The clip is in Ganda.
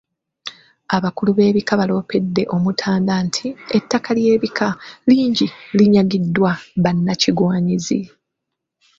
Abakulu b'ebika baaloopedde Omutanda nti ettaka ly'ebika lingi linyagiddwa bannakigwanyizi.